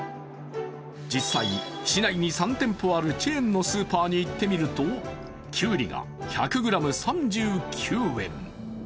実際、市内に３店舗あるチェーンのスーパーに行ってみるときゅうりが１００ｇ３９円。